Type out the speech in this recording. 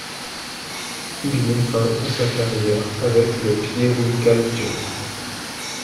Il met fin à sa carrière avec le Chieri Calcio.